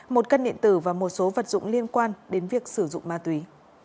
một cân điện tử và một số vật dụng liên quan đến việc sử dụng ma túy